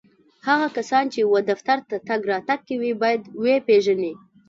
هغه کسان چي و دفتر ته تګ راتګ کوي ، باید و یې پېژني